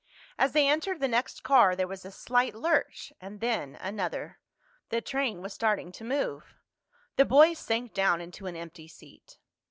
As they entered the next car there was a slight lurch, and then another. The train was starting to move. The boys sank down into an empty seat.